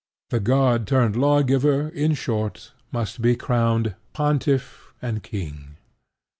The god turned lawgiver, in short, must be crowned Pontiff and King.